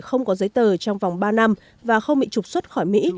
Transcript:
không có giấy tờ trong vòng ba năm và không bị trục xuất khỏi mỹ